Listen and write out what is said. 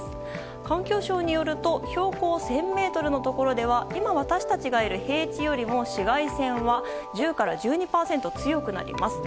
環境省によると標高１０００ｍのところでは今私たちがいる平地よりも紫外線は１０％から１２％強くなります。